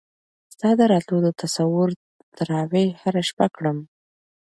ستا د راتلو د تصور تراوېح هره شپه کړم